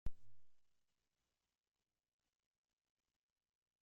Fue la pequeña de cinco hermanos.